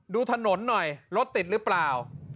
ดูถนนหน่อยรถติดหรือเปล่า